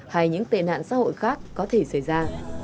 hay những tệ nạn xã hội khác có thể xảy ra